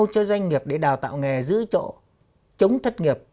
chống thất nghiệp